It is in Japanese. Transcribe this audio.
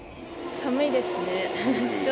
寒いですね。